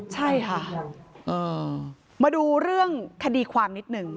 ใช่ค่ะมาดูเรื่องคดีความนิดหนึ่ง